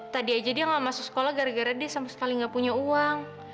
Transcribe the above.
tadi aja dia gak masuk sekolah gara gara dia sama sekali nggak punya uang